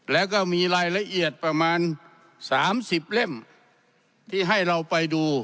แล้วก็มีรายละเอียดประมาณ๓๐เล่มที่ให้เราไปดู